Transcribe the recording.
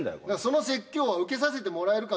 その説教は受けさせてもらえるかどうか分から